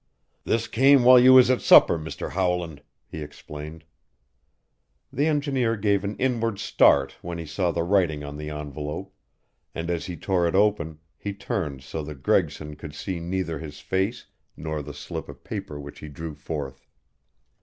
"This came while you was at supper, Mr. Howland," he explained. The engineer gave an inward start when he saw the writing on the envelope, and as he tore it open he turned so that Gregson could see neither his face nor the slip of paper which he drew forth.